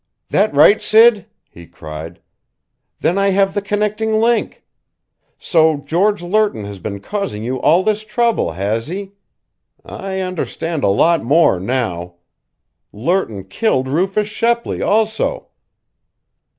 "That right, Sid?" he cried, "Then I have the connecting link! So George Lerton has been causing you all this trouble, has he? I understand a lot more now. Lerton killed Rufus Shepley, also!"